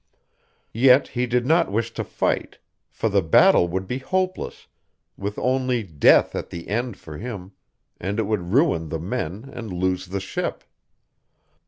Yet he did not wish to fight; for the battle would be hopeless, with only death at the end for him, and it would ruin the men and lose the ship....